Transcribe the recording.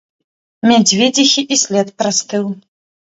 Мядзведзіхі і след прастыў.